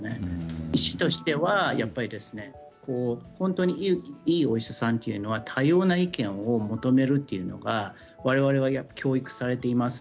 医師としては本当にいいお医者さんというのは多様な意見を求めるというのは我々は教育されています。